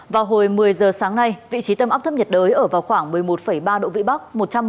vào hồi một mươi giờ sáng nay vị trí tâm áp thấp nhiệt đới ở vào khoảng một mươi một ba độ vĩ bắc